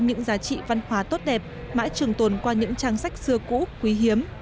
những giá trị văn hóa tốt đẹp mãi trường tồn qua những trang sách xưa cũ quý hiếm